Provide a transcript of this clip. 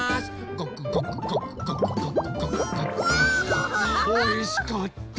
あおいしかった！